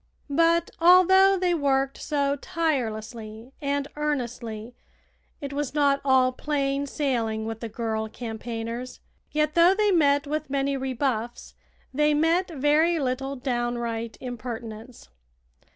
But, although they worked so tirelessly and earnestly, it was not all plain sailing with the girl campaigners. Yet though they met with many rebuffs, they met very little downright impertinence.